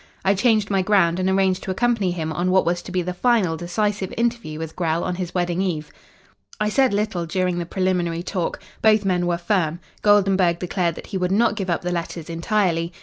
I changed my ground and arranged to accompany him on what was to be the final decisive interview with Grell on his wedding eve. "I said little during the preliminary talk. Both men were firm. Goldenburg declared that he would not give up the letters entirely.